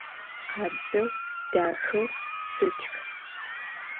Khabzeu, daxeu şsutx!